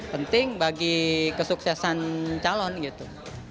penting bagi kesuksesan calon gitu